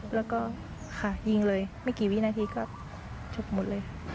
แล้วก็ค่ะยิงเลยไม่กี่วินาทีก็ฉกหมดเลย